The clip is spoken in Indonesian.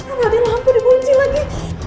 gak ada lampu dikunci lagi